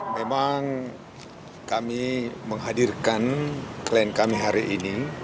memang kami menghadirkan klien kami hari ini